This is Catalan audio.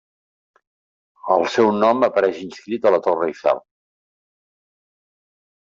El seu nom apareix inscrit a la Torre Eiffel.